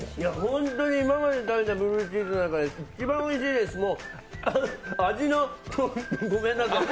本当に今まで食べたブルーチーズの中で一番おいしいです、もう、味のゴホッ。